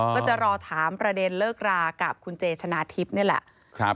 ก็จะรอถามประเด็นเลิกรากับคุณเจชนะทิพย์นี่แหละ